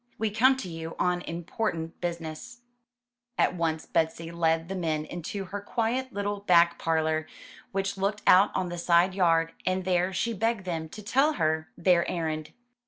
''We come to you on important business." At once Betsy led the men into her quiet little back 294 UP ONE PAIR OF STAIRS parlor, which looked out on the side yard, and there she begged them to tell her their errand.